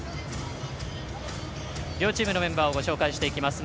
両チームのメンバーをご紹介していきます。